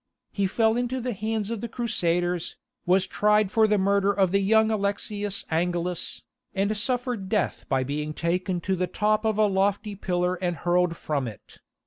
He fell into the hands of the Crusaders, was tried for the murder of the young Alexius Angelus, and suffered death by being taken to the top of a lofty pillar and hurled from it.